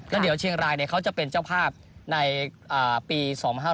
แล้วเดี๋ยวเชียงรายเขาจะเป็นเจ้าภาพในปี๒๕๕๙